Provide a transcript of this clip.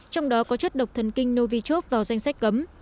trong đó có chất độc thần kinh novichov vào danh sách cấm